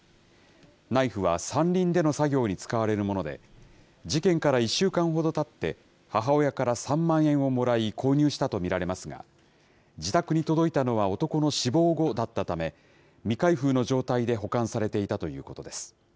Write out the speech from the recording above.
ナイフは山林での作業に使われるもので、事件から１週間ほどたって母親から３万円をもらい購入したと見られますが、自宅に届いたのは男の死亡後だったため、未開封の状態で保管されていたということです。